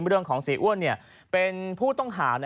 เรื่องของเสียอ้วนเป็นผู้ต้องหา